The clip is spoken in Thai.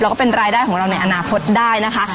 แล้วก็เป็นรายได้ของเราในอนาคตได้นะคะ